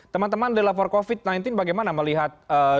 teman teman di lapor covid sembilan belas bagaimana melihat dua empat